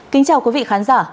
kính chào quý vị khán giả